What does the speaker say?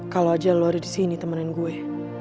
kalo aja lo ada disini temenin gue